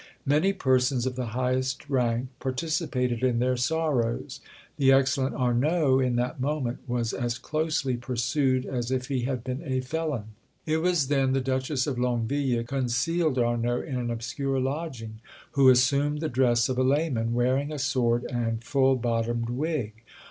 Many persons of the highest rank participated in their sorrows. The excellent Arnauld, in that moment, was as closely pursued as if he had been a felon. It was then the Duchess of Longueville concealed Arnauld in an obscure lodging, who assumed the dress of a layman, wearing a sword and full bottomed wig.